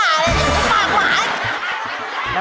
มีปากหมานี่